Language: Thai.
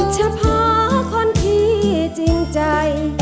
เฉพาะคนที่จริงใจ